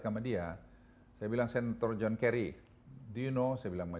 kemudian modifikasi untuk ini elisa sudah katakan adalah tim kenneth showman